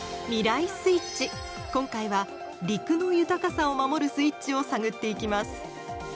今回は「陸の豊かさを守るスイッチ」を探っていきます。